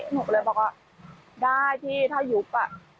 หนูก็เลยบอกว่าได้พี่ถ้ายุบ